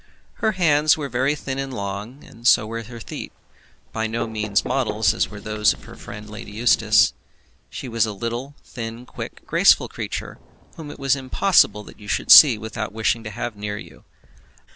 Her hands were very thin and long, and so were her feet, by no means models as were those of her friend Lady Eustace. She was a little, thin, quick, graceful creature, whom it was impossible that you should see without wishing to have near you.